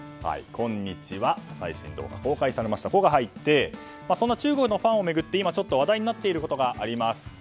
こんにちは、最新動画が公開されましたの「コ」が入って中国のファンを巡って今、話題になっていることがあります。